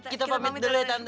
kita pamit dulu ya tante